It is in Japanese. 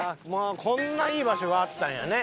こんないい場所があったんやね。